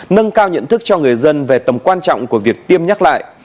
nâng cao nhận thức cho người dân về tầm quan trọng của việc tiêm nhắc lại